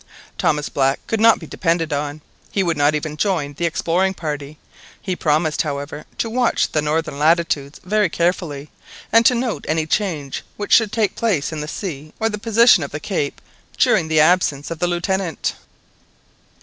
Thomas Black could not be depended on; he would not even join the exploring party; he promised, however, to watch the northern latitudes very carefully, and to note any change which should take place in the sea or the position of the cape during the absence of the Lieutenant.